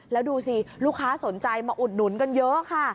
แล้วดูสิลูกค้าสนใจมาอุดหนุนกันเยอะค่ะ